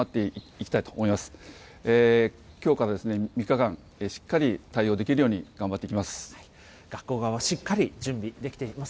きょうからですね、３日間、しっかり対応できるように頑張っていきます。